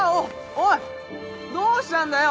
おいどうしたんだよ？